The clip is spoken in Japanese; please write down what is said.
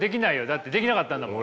だってできなかったんだもん。